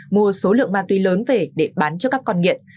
mua số lượng ma túy lớn về để bán cho các con nghiện